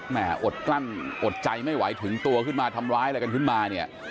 รอดกลั้นอดใจไม่ไหวถึงตัวขึ้นมาทำร้ายอะไรกันขึ้นมาเนี่ย